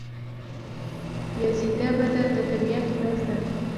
سیزده بدر د طبیعت ورځ ده.